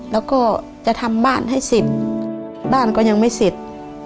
แล้วก็จะทำบ้านให้สิทธิ์บ้านก็ยังไม่สิทธิ์